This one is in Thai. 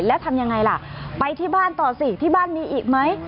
แล้วทำยังไงล่ะไปที่บ้านต่อสิที่บ้านมีอีกไหม